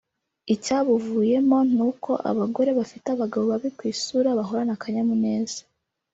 Icyabuvuyemo ni uko abagore bafite abagabo babi ku isura bahorana akanyamuneza